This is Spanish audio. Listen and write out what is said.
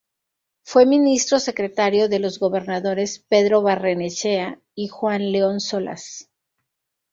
Fue ministro secretario de los gobernadores Pedro Barrenechea y Juan León Solas.